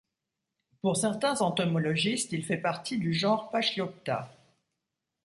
Pour certains entomologistes, il fait partie du genre Pachliopta.